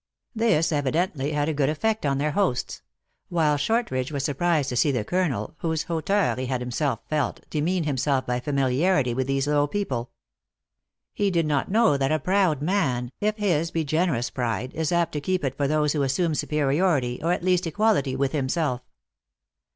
This evidently had a good effect on their hosts ; while Shortridge was sur prised to see the colonel, whose hauteur he had him self felt, demean himself by familiarity with these low people. He did not know that a proud man, if his be generous pride, is apt to keep it for those who assume superiority, or at least equality, with himself.